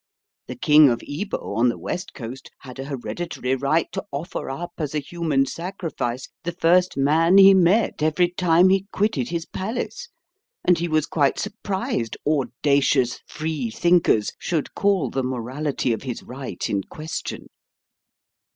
The king of Ibo, on the West Coast, had a hereditary right to offer up as a human sacrifice the first man he met every time he quitted his palace; and he was quite surprised audacious freethinkers should call the morality of his right in question.